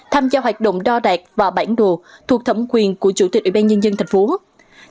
tham gia hoạt động đo đạt và bản đồ thuộc thống quyền của chủ tịch ủy ban nhân dân tp hcm